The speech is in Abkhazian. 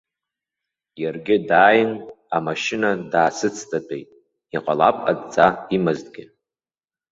Иаргьы дааин, амашьына даасыцҭатәеит, иҟалап адҵа имазҭгьы.